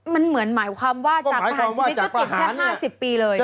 มันเหมือนหมายความว่าจากประหารชีวิตก็ติดแค่๕๐ปีเลย